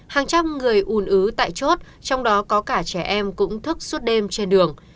hàng trăm người ùn ứ tại chốt trong đó có cả trẻ em cũng thức suốt đêm trên đường